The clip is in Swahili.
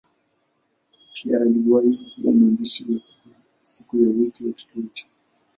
Pia aliwahi kuwa mwandishi wa siku ya wiki kwa kituo hicho.